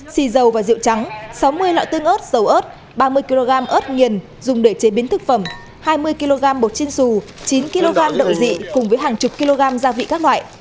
xì dầu và rượu trắng sáu mươi lọ tương ớt dầu ớt ba mươi kg ớt nghiền dùng để chế biến thực phẩm hai mươi kg bột chin xù chín kg đậu dị cùng với hàng chục kg gia vị các loại